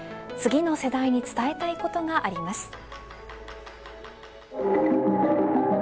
次の世代に伝えたいことがあります。